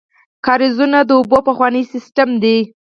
کاریزونه د اوبو پخوانی سیسټم دی.